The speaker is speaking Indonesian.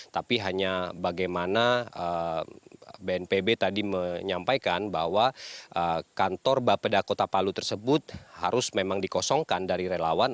tapi hanya bagaimana bnpb tadi menyampaikan bahwa kantor bapeda kota palu tersebut harus memang dikosongkan dari relawan